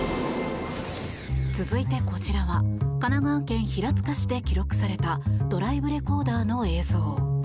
続いてこちらは神奈川県平塚市で記録されたドライブレコーダーの映像。